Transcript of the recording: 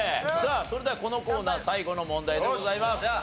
さあそれではこのコーナー最後の問題でございます。